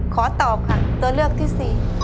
ขอตอบค่ะตัวเลือกที่๔